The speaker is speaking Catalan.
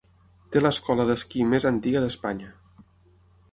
Té l'escola d'esquí més antiga d'Espanya.